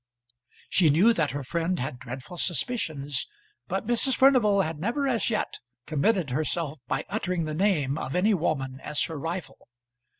She knew that her friend had dreadful suspicions, but Mrs. Furnival had never as yet committed herself by uttering the name of any woman as her rival.